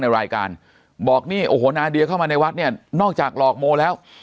ในรายการบอกนี่โอ้โหนาเดียเข้ามาในวัดเนี่ยนอกจากหลอกโมแล้ว